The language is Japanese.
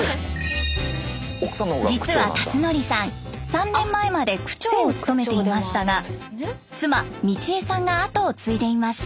実は辰徳さん３年前まで区長を務めていましたが妻美千枝さんが後を継いでいます。